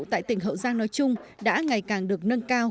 tại tỉnh hậu giang nói chung đã ngày càng được nâng cao